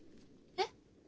えっ？